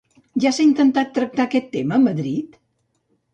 Ja s'ha intentat tractar aquest tema a Madrid?